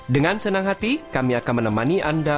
dengan senang hati kami akan menemani anda